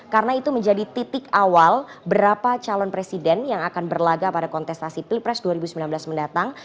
karena itu menjadi titik awal berapa calon presiden yang akan berlaga pada kontestasi pilpres dua ribu sembilan belas mendatang